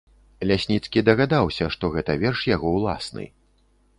Лясніцкі дагадаўся, што гэта верш яго ўласны.